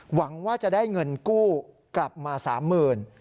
หวังว่าจะได้เงินกู้กลับมา๓๐๐๐บาท